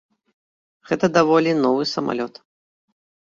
Гэта даволі новы самалёт.